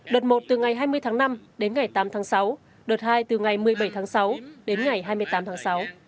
đợt một từ ngày hai mươi tháng năm đến ngày tám tháng sáu đợt hai từ ngày một mươi bảy tháng sáu đến ngày hai mươi tám tháng sáu